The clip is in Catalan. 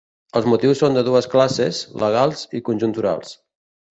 Els motius són de dues classes, legals i conjunturals.